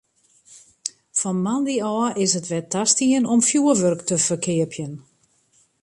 Fan moandei ôf is it wer tastien om fjurwurk te ferkeapjen.